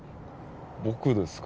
僕ですか